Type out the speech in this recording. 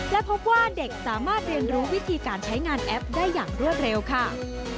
และพบว่าเด็กสามารถเรียนรู้วิธีการใช้งานแอปได้อย่างรวดเร็วค่ะ